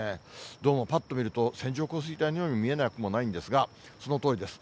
どうもぱっと見ると、線状降水帯のようにも見えなくもないんですが、そのとおりです。